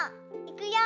いくよ。